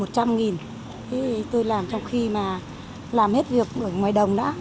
thế thì tôi làm trong khi mà làm hết việc ở ngoài đồng đã